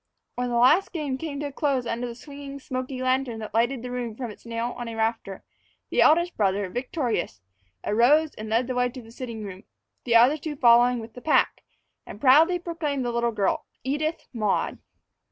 When the last game came to a close under the swinging, smoky lantern that lighted the room from its nail on a rafter, the eldest brother, victorious, arose and led the way to the sitting room, the other two following with the pack, and proudly proclaimed the little girl Edith Maud.